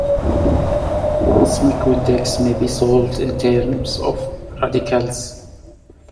Some quintics may be solved in terms of radicals.